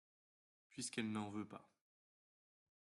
Puisqu’elle n’en veut pas…